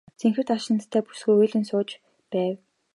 Цэнхэр даашинзтай бүсгүй уйлан сууж байв.